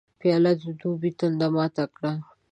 پیاله د دوبي تنده ماته کړي.